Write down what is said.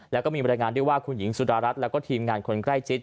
แล้วก็มีบริการเรียกว่าคุณหญิงสุดรรัฐและทีมงานคนใกล้จิต